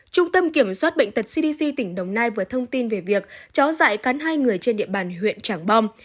trung tâm kiểm soát bệnh tật cdc tỉnh đồng nai vừa thông tin về việc chó dại cắn hai người trên địa bàn huyện trảng bom